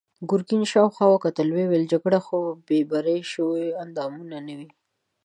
ګرګين شاوخوا وکتل، ويې ويل: جګړه خو بې پرې شويوو اندامونو نه وي.